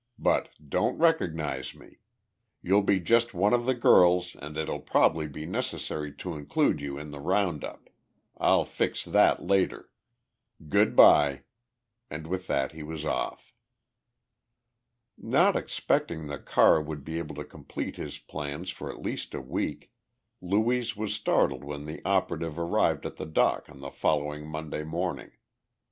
But don't recognize me. You'll be just one of the girls and it'll probably be necessary to include you in the round up. I'll fix that later. Good by," and with that he was off. Not expecting that Carr would be able to complete his plans for at least a week, Louise was startled when the operative arrived at the dock on the following Monday morning.